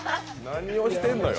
何をしてんのよ。